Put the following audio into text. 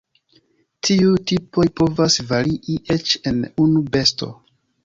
Tiuj tipoj povas varii eĉ en unu besto.